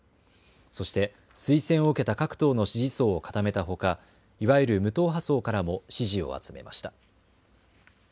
そして推薦を受けた各党の支持層を固めたほか、いわゆる無党派層からも支持を集めました。